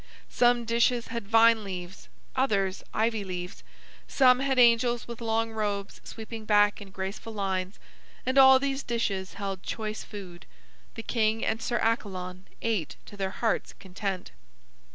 Some dishes had vine leaves, others ivy leaves; some had angels with long robes sweeping back in graceful lines; and all these dishes held choice food. The king and Sir Accalon ate to their hearts' content.